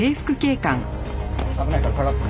危ないから下がって。